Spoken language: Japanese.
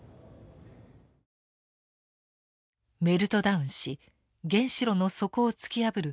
メルトダウンし原子炉の底を突き破る